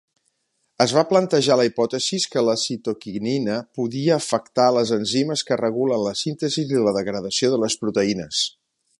Es va plantejar la hipòtesi que la citoquinina podia afectar les enzimes que regulen la síntesi i la degradació de les proteïnes.